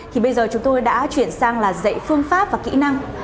thì bây giờ chúng tôi đã chuyển sang là dạy phương pháp và kỹ năng